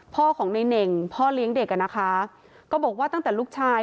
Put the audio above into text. พ่อของในเน่งพ่อเลี้ยงเด็กอ่ะนะคะก็บอกว่าตั้งแต่ลูกชาย